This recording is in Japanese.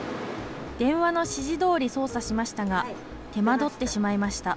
電話の指示どおり操作しましたが手間取ってしまいました。